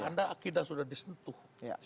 anda akhidah sudah disentuh